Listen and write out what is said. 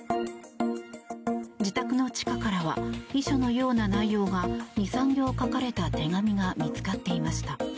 自宅の地下からは遺書のような内容が２３行書かれた手紙が見つかっていました。